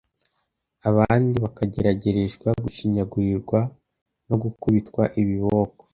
Abandi bakageragereshwa gushinyagurirwa no gukubitwa ibiboko